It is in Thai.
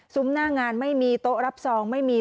หน้างานไม่มีโต๊ะรับซองไม่มี